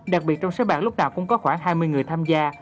đặc biệt trong xới bạc lúc nào cũng có khoảng hai mươi người tham gia